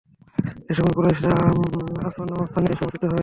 এ সময় কুরাইশরা আসফান নামক স্থানে এসে উপস্থিত হয়।